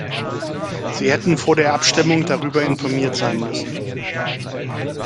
Sie hätten vor der Abstimmung darüber informiert sein müssen.